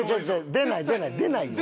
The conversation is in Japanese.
出ない出ない出ないよ。